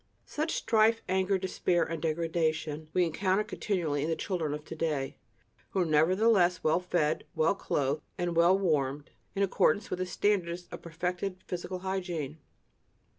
Such strife, anger, despair and degradation we encounter continually in the children of to day, who are nevertheless well fed, well clothed and well warmed, in accordance with the standards of perfected physical hygiene.